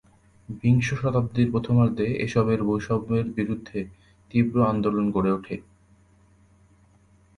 বিংশ শতাব্দীর প্রথমার্ধে এসব বৈষম্যের বিরুদ্ধে তীব্র আন্দোলন গড়ে উঠে।